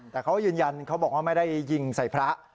แต่เขายืนยันเขาบอกว่าไม่ได้ยิงใส่พระ